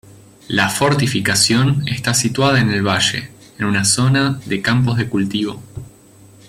La fortificación está situada en el valle, en una zona de campos de cultivo.